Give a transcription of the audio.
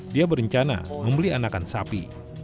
dia berencana membeli anakan sapi